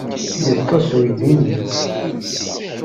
Yeṭṭes uydi-ni.